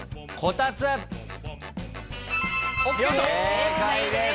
正解です。